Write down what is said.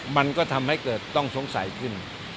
มันก็ทำให้เกิดต้องสงสัยขึ้น